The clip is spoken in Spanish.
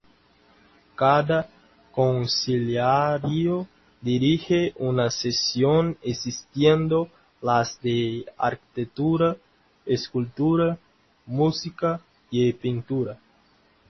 Cada Consiliario dirige una sección, existiendo las de arquitectura, escultura, música y pintura.